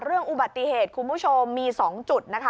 เรื่องอุบัติเหตุคุณผู้ชมมี๒จุดนะคะ